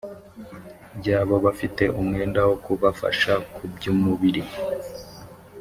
byabo bafite umwenda wo kubafasha ku by umubiri